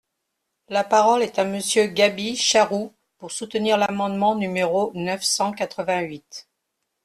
La parole est à Monsieur Gaby Charroux, pour soutenir l’amendement numéro neuf cent quatre-vingt-huit.